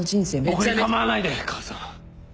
僕に構わないで母さん。